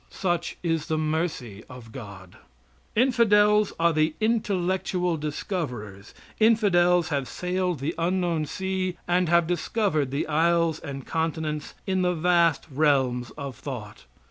Such is the mercy of God. Infidels are the intellectual discoverers. Infidels have sailed the unknown sea and have discovered the isles and continents in the vast realms of thought.